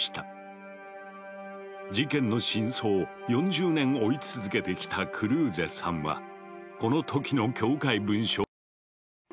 事件の真相を４０年追い続けてきたクルーゼさんはこの時の教会文書を発見。